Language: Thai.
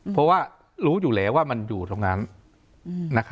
เพราะว่ารู้อยู่แล้วว่ามันอยู่ตรงนั้น